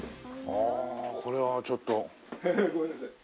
ああこれはちょっと。